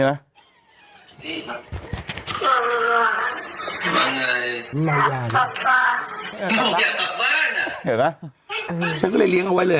ดูเลขว่าเลขอะไรแหละ